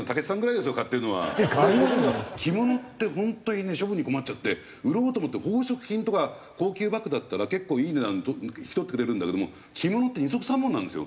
着物って本当にね処分に困っちゃって売ろうと思っても宝飾品とか高級バッグだったら結構いい値段引き取ってくれるんだけども着物って二束三文なんですよ